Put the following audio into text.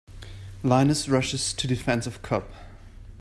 Lioness Rushes to Defense of Cub.